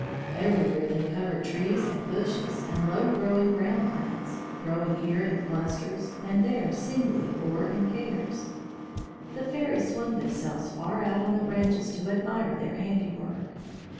Everywhere they covered trees and bushes and low growing ground plants, growing here in clusters, and there singly or in pairs. The fairies swung themselves far out on the branches to admire their handiwork.